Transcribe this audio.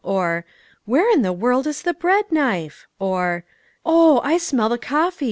or, "Where in the world is the bread knife ?" or, " Oh ! I smell the coffee